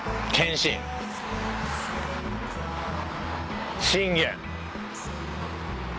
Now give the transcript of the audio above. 信玄。